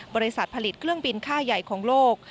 บริษัทผลิตเครื่องบินค่าใหญ่ของโลก